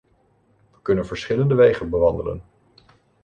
We kunnen verschillende wegen bewandelen.